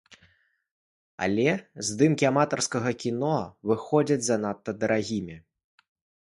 Але здымкі аматарскага кіно выходзяць занадта дарагімі.